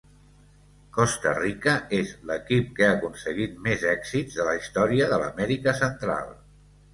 Costa Rica és l'equip que ha aconseguit més èxits de la història de l'Amèrica central.